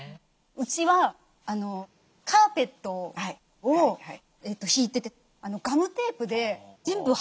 うちはカーペットを敷いててガムテープで全部貼ってるんですよ。